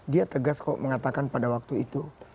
dia tegas kok mengatakan pada waktu itu